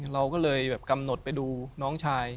เราก็เลยแบบกำหนดไปดูน้องชาย